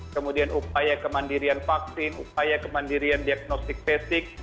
kemudian upaya kemandirian vaksin upaya kemandirian diagnostik basic